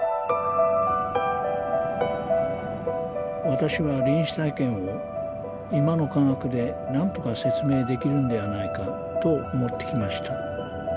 私は臨死体験を今の科学でなんとか説明できるのではないかと思ってきました。